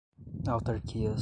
autarquias